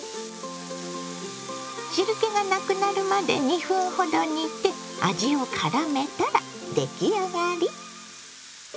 汁けがなくなるまで２分ほど煮て味をからめたら出来上がり。